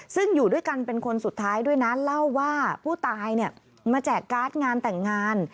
ซึ่งอยู่ด้วยกันเป็นคนสุดท้ายด้วยนะเล่าว่าผู้ตายเนี่ยมาแจกการ์ดงานแต่งงาน